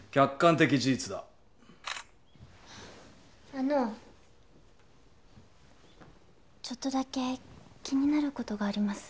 あのちょっとだけ気になることがあります。